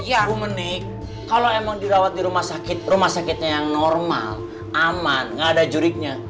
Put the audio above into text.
ya humanik kalau emang dirawat di rumah sakit rumah sakitnya yang normal aman nggak ada juriknya